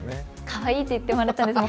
かわいいっていってもらったんです。